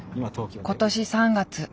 今年３月。